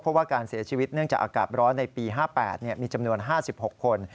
เพราะว่าการเสียชีวิตเนื่องจากอากาศร้อนในปี๕๘มีจำนวน๕๖คน